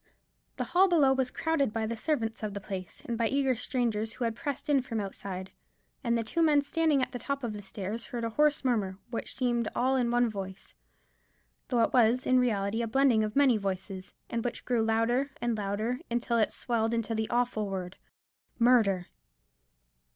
The hall below was crowded by the servants of the place, and by eager strangers who had pressed in from outside; and the two men standing at the top of the stairs heard a hoarse murmur; which seemed all in one voice, though it was in reality a blending of many voices; and which grew louder and louder, until it swelled into the awful word "Murder!"